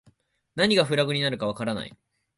何がフラグになるかわからない